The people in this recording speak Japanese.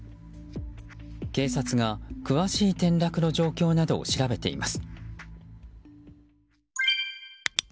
警察が詳しい転落の状況などを調べています。